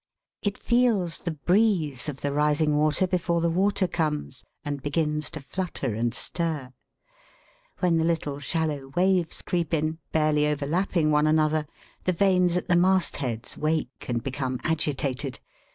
It feels the breeze of the rising water before the water comes, and begins to flutter and stir. When the little shallow waves creep in, barely overlapping one another, the vanes at the mastheads wake, and become agitated.